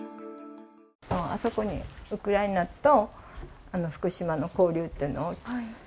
あそこにウクライナと福島の交流というのを。